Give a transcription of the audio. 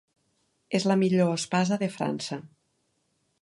És la millor espasa de França.